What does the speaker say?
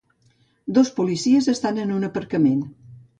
Dos policies estan en un aparcament.